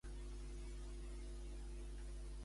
Vaig anar al concert del Dausà a Madrid.